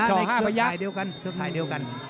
ช่อห้าพระยักษ์